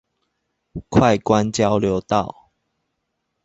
快官交流道